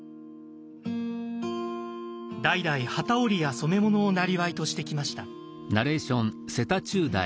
代々機織りや染め物をなりわいとしてきました。